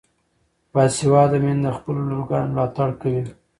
باسواده میندې د خپلو لورګانو ملاتړ کوي.